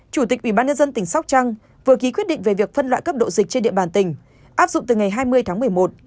chủ tịch ubnd tỉnh sóc trăng vừa ký quyết định về việc phân loại cấp độ dịch trên địa bàn tỉnh áp dụng từ ngày hai mươi tháng một mươi một